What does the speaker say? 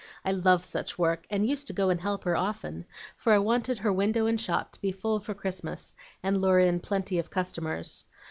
I love such work, and used to go and help her often, for I wanted her window and shop to be full for Christmas, and lure in plenty of customers.